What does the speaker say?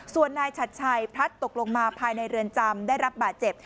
ส่วนนายชัดชัยพลัดตกลงมาภายในเรือนจำได้รับบาดเจ็บ